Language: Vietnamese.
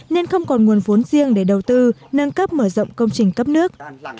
nên không còn nguồn vốn riêng để đầu tư nâng cấp mở rộng công trình cấp nước